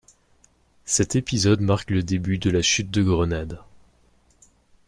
Cet épisode marque le début de la chute de Grenade.